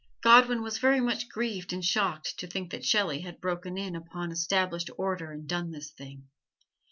Godwin was very much grieved and shocked to think that Shelley had broken in upon established order and done this thing.